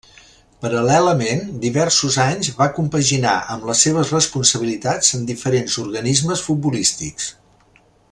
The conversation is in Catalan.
Paral·lelament diversos anys va compaginar amb les seves responsabilitats en diferents organismes futbolístics.